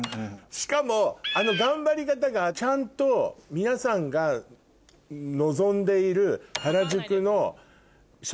しかも頑張り方がちゃんと皆さんが望んでいる。